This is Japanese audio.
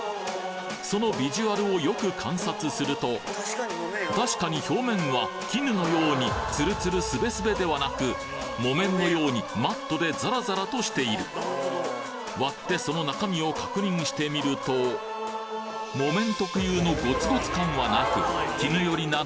そのビジュアルをよく観察すると確かに表面は「絹」のようにつるつるスベスベではなく「木綿」のようにマットでザラザラとしている割ってその中身を確認してみると「木綿」特有のゴツゴツ感はなく「絹」よりな